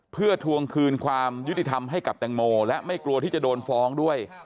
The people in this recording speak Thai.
เพื่อทวงคืนความยุติธรรมให้กับแตงโมและไม่กลัวที่จะโดนฟ้องด้วย